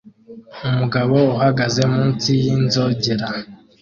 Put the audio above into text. Umugabo uhagaze munsi yinzogera